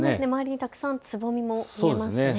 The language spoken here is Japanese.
周りにたくさんつぼみもありますね。